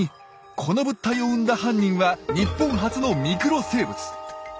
この物体を生んだ犯人は日本初のミクロ生物。